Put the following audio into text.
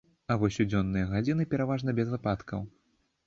А вось у дзённыя гадзіны пераважна без ападкаў.